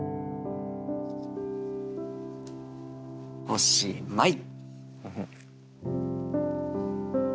おしまい。